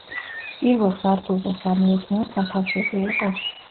პირველ სართულზე სამეურნეო სათავსები იყო.